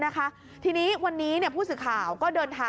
แล้วพอไปตรวจสอบดูปรากฏว่า